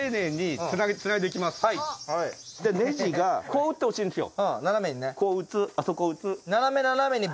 こう打ってほしいんですよ。